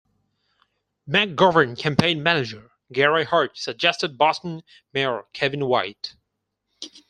McGovern campaign manager Gary Hart suggested Boston Mayor Kevin White.